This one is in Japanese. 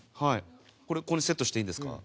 これここにセットしていいんですか？